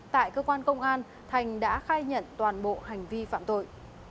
tại cơ quan công an thành đã khai nhận toàn bộ hành vi phạm tội